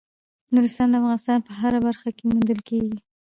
نورستان د افغانستان په هره برخه کې موندل کېږي.